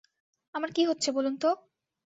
আমার কী হচ্ছে বলুন তো?